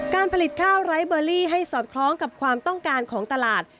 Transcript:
การผลิตข้าวไร้เบอร์รี่ให้สอดคล้องกับความต้องการของตลาด